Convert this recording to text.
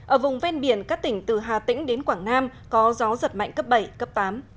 ở vùng ven biển các tỉnh từ hà tĩnh đến quảng nam có gió giật mạnh cấp bảy cấp tám